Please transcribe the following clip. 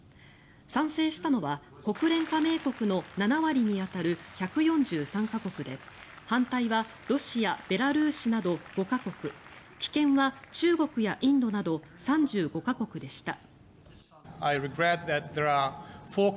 賛成したのは国連加盟国の７割に当たる１４３か国で反対はロシア、ベラルーシなど５か国棄権は中国やインドなど３５か国でした。